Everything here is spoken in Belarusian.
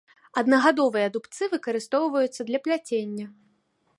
Аднагадовыя дубцы выкарыстоўваецца для пляцення.